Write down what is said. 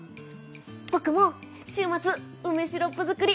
僕も週末、梅酒シロップづくり